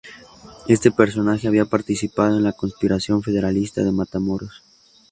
Este personaje había participado en la conspiración federalista de Matamoros.